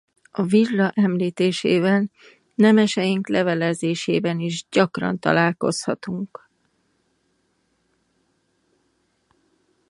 A vizsla említésével nemeseink levelezésében is gyakran találkozhatunk.